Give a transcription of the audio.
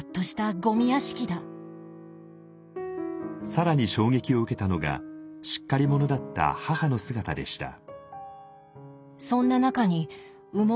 更に衝撃を受けたのがしっかり者だった母の姿でした。